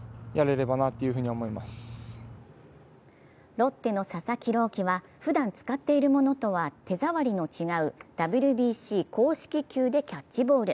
ロッテの佐々木朗希はふだん使っているものとは手触りの違うＷＢＣ公式球でキャッチボール。